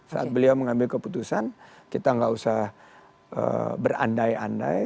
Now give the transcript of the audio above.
saat beliau mengambil keputusan kita nggak usah berandai andai